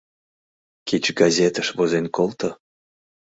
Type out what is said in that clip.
— Кеч газетыш возен колто.